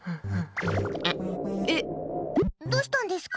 どうしたんですか？